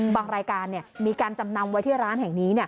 รายการมีการจำนำไว้ที่ร้านแห่งนี้